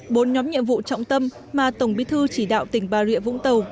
bốn nhóm nhiệm vụ trọng tâm mà tổng bí thư chỉ đạo tỉnh bà rịa vũng tàu